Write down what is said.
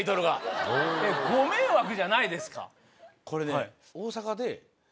これね大阪で。